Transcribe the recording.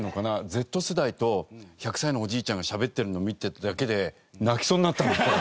Ｚ世代と１００歳のおじいちゃんがしゃべってるのを見てるだけで泣きそうになった。